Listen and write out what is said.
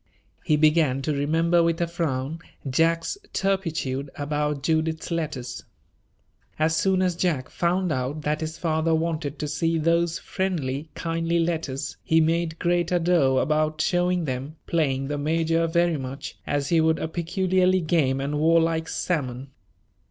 He began to remember with a frown Jack's turpitude about Judith's letters. As soon as Jack found out that his father wanted to see those friendly, kindly letters, he made great ado about showing them, playing the major very much as he would a peculiarly game and warlike salmon.